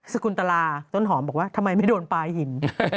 สกุลตลาต้นหอมบอกว่าทำไมไม่โดนปลาหิน